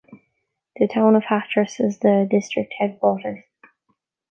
The town of Hathras is the district headquarters.